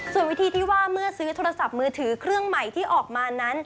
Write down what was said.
ส่วนวิธีที่ว่าเมื่อซื้อโทรศัพท์มือถือเครื่องใหม่ที่ออกมานั้น